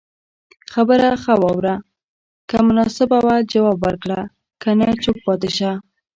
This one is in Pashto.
خبره خه واوره که مناسبه وه جواب ورکړه که نه چوپ پاتي شته